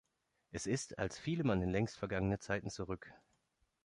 Es ist, als fiele man in längst vergangene Zeiten zurück.